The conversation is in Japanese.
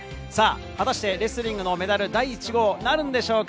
果たしてレスリングのメダル第１号になるんでしょうか？